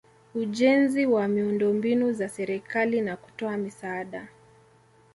ujenzi wa miundombinu za serikali na kutoa misaada